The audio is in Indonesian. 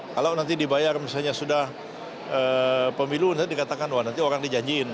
kalau nanti dibayar misalnya sudah pemilu nanti dikatakan orang dijanjiin